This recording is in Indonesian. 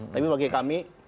tapi bagi kami